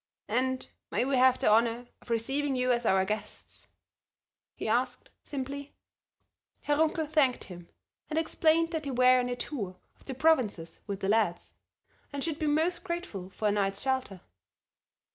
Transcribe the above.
"And may we have the honor of receiving you as our guests?" he asked, simply. Herr Runkel thanked him, and explained that they were on a tour of the provinces with the lads, and should be most grateful for a night's shelter.